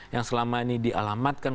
yang selama ini dialamatkan